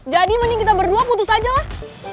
jadi mending kita berdua putus aja lah